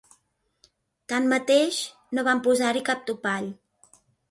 Tanmateix, no van posar-hi cap topall.